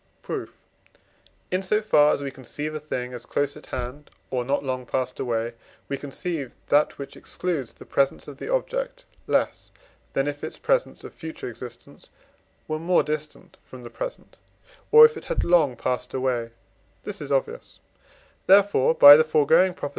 Proof. In so far as we conceive a thing as close at hand, or not long passed away, we conceive that which excludes the presence of the object less, than if its period of future existence were more distant from the present, or if it had long passed away (this is obvious) therefore (by the foregoing Prop.)